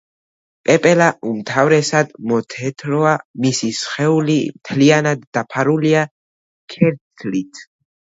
პეპელა უმთავრესად მოთეთროა, მისი სხეული მთლიანად დაფარულია ქერცლით.